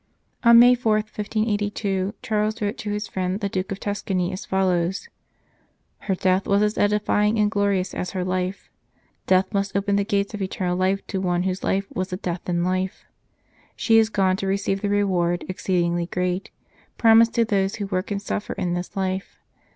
On May 4, 1582, Charles wrote to his friend the Duke of Tuscany as follows :" Her death was as edifying and as glorious as her life. ... Death must open the gates of eternal life to one whose life was a death in life. She is gone to receive the reward exceeding great, promised to those who work and suffer in this life.